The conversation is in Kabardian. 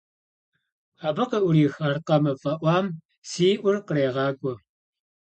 Абы къыӀурих аркъэмэ фӀэӀуам си Ӏур кърегъакӀуэ.